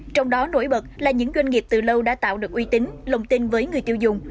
trong đó nổi bật là những doanh nghiệp từ lâu đã tạo được uy tín lồng tin với người tiêu dùng